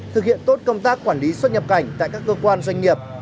thực hiện tốt công tác quản lý xuất nhập cảnh tại các cơ quan doanh nghiệp